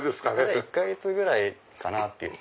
１か月ぐらいかなって。